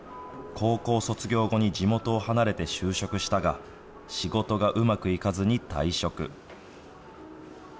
高校卒業後に地元を離れて就職したが、仕事がうまくいかずに退職。